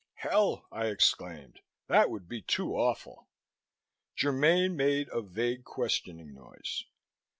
"Hell!" I exclaimed. "That would be too awful!" Germaine made a vague questioning noise.